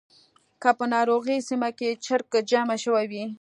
که په ناروغۍ سیمه کې چرک جمع شوی وي.